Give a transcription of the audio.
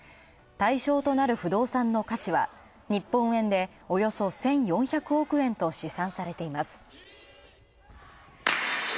対象となる不動産の価値は日本円でおよそ１４００億円と試算されています。